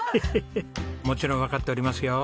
もちろんわかっておりますよ。